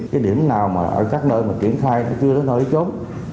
cái điểm nào mà ở các nơi mà triển khai nó chưa đến nơi chốn